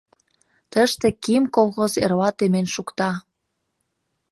Тыште «КИМ» колхоз эрла темен шукта...